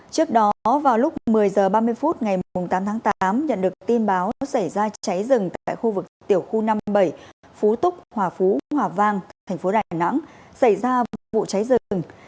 trước đó vào lúc một mươi h ba mươi phút ngày tám tháng tám nhận được tin báo xảy ra cháy rừng tại khu vực tiểu khu năm mươi bảy phú túc hòa phú hòa vang thành phố đà nẵng xảy ra vụ cháy rừng